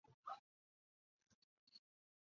翌日双方达成协议。